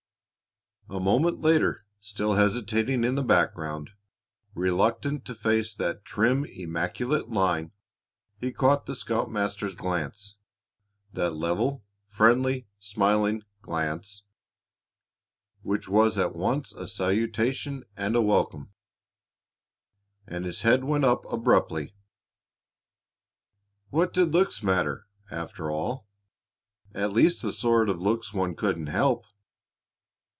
A moment later, still hesitating in the background, reluctant to face that trim, immaculate line, he caught the scoutmaster's glance, that level, friendly, smiling glance, which was at once a salutation and a welcome, and his head went up abruptly. What did looks matter, after all at least the sort of looks one couldn't help?